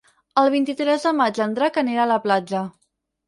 El vint-i-tres de maig en Drac anirà a la platja.